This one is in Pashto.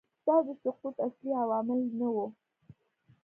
دا د سقوط اصلي عوامل نه وو